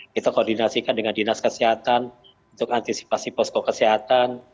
kita koordinasikan dengan dinas kesehatan untuk antisipasi posko kesehatan